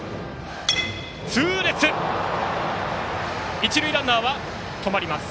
一塁ランナーは止まります。